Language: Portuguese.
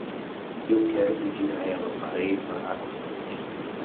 Eu quero pedir a ela para ir para a água quente.